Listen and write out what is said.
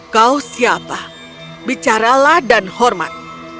kau siapa bicaralah dan hormat